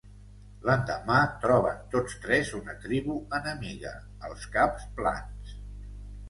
L'endemà, troben tots tres una tribu enemiga, els Caps plans.